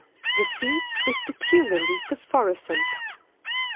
The sea is peculiarly phosphorescent.